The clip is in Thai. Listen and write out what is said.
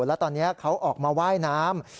แล้วตอนนี้เขาออกมาว่ายน้ำ